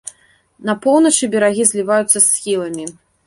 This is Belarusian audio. На поўначы берагі зліваюцца з схіламі.